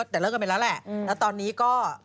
แต่เลิกกันไปแล้วแหละแล้วตอนนี้ก็